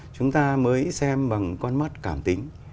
chúng ta mới xem bằng con mắt cảm tính